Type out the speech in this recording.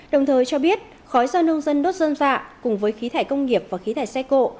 đồng thời cho biết khói do nông dân đốt dơm dạ cùng với khí thải công nghiệp và khí thải xe cộ